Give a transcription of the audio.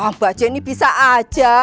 mbak jenny bisa aja